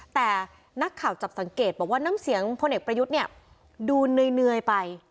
แต่นักข่าวจับสังเกตบอกว่าน้ำเสียงพลเอกประยุทธ์เนี่ยดูเหนื่อยไป